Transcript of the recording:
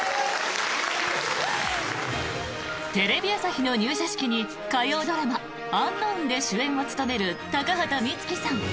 テレビ朝日の入社式に火曜ドラマ「ｕｎｋｎｏｗｎ」で主演を務める高畑充希さん